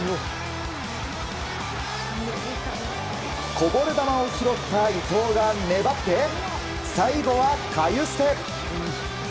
こぼれ球を拾った伊東が粘って最後はカユステ。